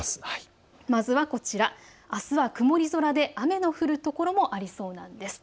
まずはこちら、あすは曇り空で雨の降る所もありそうなんです。